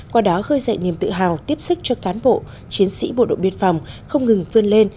qua đó gây dạy niềm tự hào tiếp sức cho cán bộ chiến sĩ bộ đội biên phòng không ngừng phương lên